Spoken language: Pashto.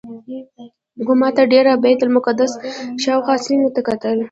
خو ما تر ډېره د بیت المقدس شاوخوا سیمو ته کتل.